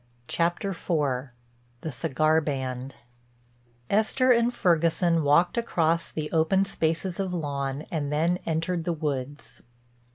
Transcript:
CHAPTER IV—THE CIGAR BAND Esther and Ferguson walked across the open spaces of lawn and then entered the woods.